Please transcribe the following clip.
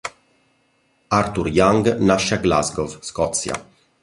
Arthur Young nasce a Glasgow, Scozia.